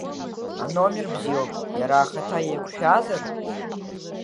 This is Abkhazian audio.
Аномер бзиоуп, иара ахаҭа еиқәшәазар?